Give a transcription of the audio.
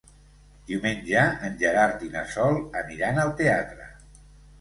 Diumenge en Gerard i na Sol aniran al teatre.